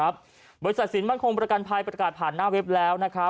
บริษัทสินมั่นคงประกันภัยประกาศผ่านหน้าเว็บแล้ว